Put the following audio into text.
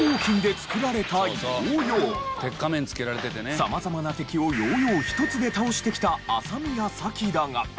様々な敵をヨーヨーひとつで倒してきた麻宮サキだが。